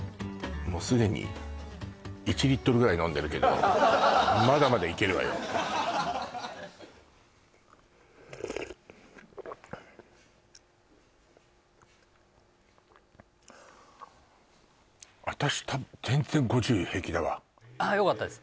もうすでに１リットルぐらい飲んでるけど私多分全然５０平気だわああよかったです